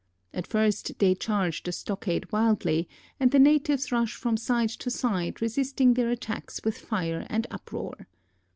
At first they charge the stockade wildly, and the natives rush from side to side, resisting their attacks with fire and uproar.